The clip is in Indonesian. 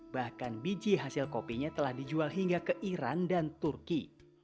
bahkan biji hasil kopinya telah dijual hingga ke iran dan turki